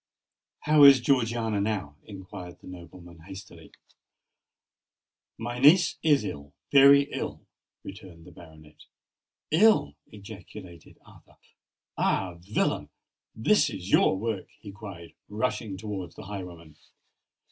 "How is Georgiana now?" inquired the nobleman hastily. "My niece is ill—very ill," returned the baronet. "Ill!" ejaculated Arthur. "Ah! villain—this is your work!" he cried, rushing towards the highwayman.